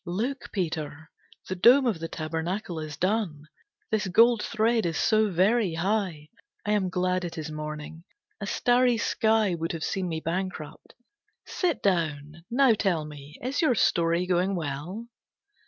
"Look, Peter, the dome of the tabernacle is done. This gold thread is so very high, I am glad it is morning, a starry sky would have seen me bankrupt. Sit down, now tell me, is your story going well?"